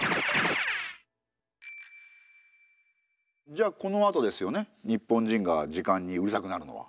じゃあこのあとですよね日本人が時間にうるさくなるのは。